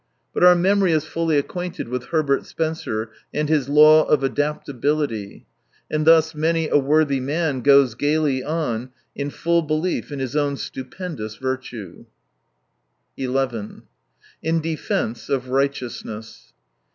But our memory is fully acquainted with Herbert Spencer and his law of adaptability, and thus many a worthy man goes gaily on in full belief in his own stupendous virtue. II In defence of righteousness.